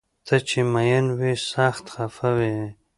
ته چې مین وي سخت خفه وي